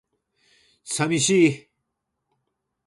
寂しい